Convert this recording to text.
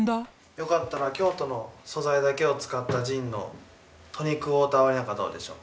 よかったら京都の素材だけを使ったジンのトニックウォーター割りなんかどうでしょう？